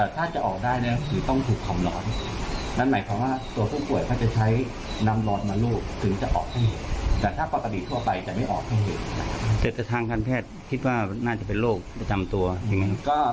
แต่ถ้าทางการแพทย์คิดว่าน่าจะเป็นโรคประจำตัวอย่างไงครับ